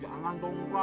jangan dong ra